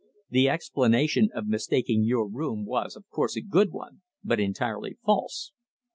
The explanation of mistaking your room was, of course, a good one, but entirely false."